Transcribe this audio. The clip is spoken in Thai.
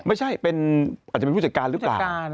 ไม่ใช่อาจจะเป็นผู้จัดการรึเปล่า